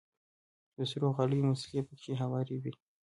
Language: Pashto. د سرو غاليو مصلې پکښې هوارې وې.